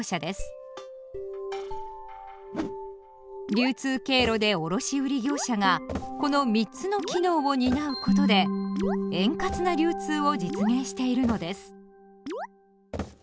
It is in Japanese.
流通経路で卸売業者がこの三つの機能を担うことで円滑な流通を実現しているのです。